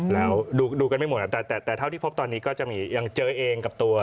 แล้วดูกันไม่หมดครับแต่เท่าที่พบตอนนี้ก็จะมียังเจอเองกับตัว